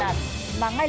em đứng gần đây